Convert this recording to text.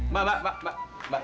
mbak mbak mbak